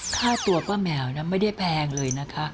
ค่าตัวป้าแมวนะไม่ได้แพงเลยนะคะ